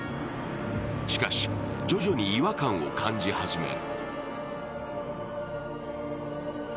しかし徐々に違和感を感じ始める。